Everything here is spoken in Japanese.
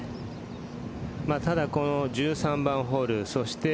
ただ１３番ホールそして。